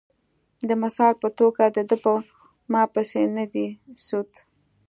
د مثال پۀ توګه د دۀ پۀ ما پېسې نۀ دي سود ،